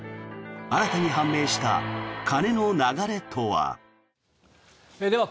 新たに判明した金の流れとは。